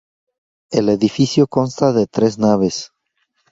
El edificio consta de tres naves.